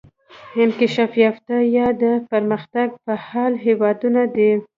انکشاف یافته یا د پرمختګ په حال هیوادونه دي.